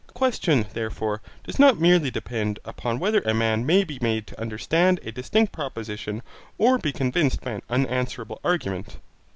The question, therefore, does not merely depend upon whether a man may be made to understand a distinct proposition or be convinced by an unanswerable argument.